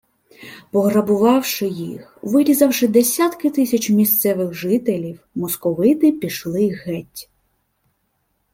Пограбувавши їх, вирізавши десятки тисяч місцевих жителів, московити пішли геть